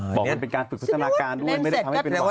บอกว่าเป็นการฝึกสถานาการด้วย